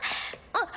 あっ。